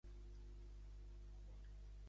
Val més ser gelós que cuguçós.